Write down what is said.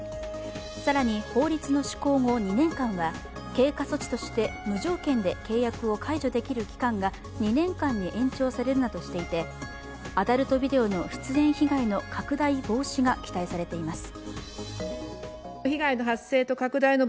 更に、法律の施行後２年間は経過措置として無条件で契約を解除できる期間が２年間に延長されるなどしていてアダルトビデオの出演被害の拡大防止が期待されています。